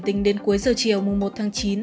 tính đến cuối giờ chiều mùa một tháng chín